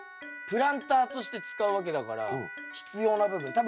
プランターとして使うわけだから必要な部分。